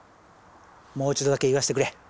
もう一度だけ言わせてくれ。